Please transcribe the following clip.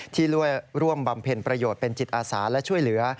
ที่ร่วมบำเพ็ญเป็นจิตอาสาและช่วยเหลือ